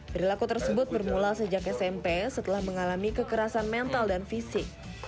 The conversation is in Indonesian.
perilaku tersebut bermula sejak smp setelah mengalami kekerasan mental dan fisik